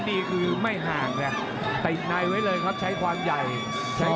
ที่สำคัญคอยใช้กว่าแผนดี